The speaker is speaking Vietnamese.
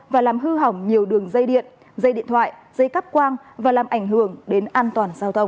và làm hư hỏng nhiều đường dây điện dây điện thoại dây cắp quang và làm ảnh hưởng đến an toàn giao thông